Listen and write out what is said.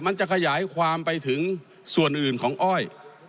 มันจะขยายความไปถึงส่วนอื่นของอ้อย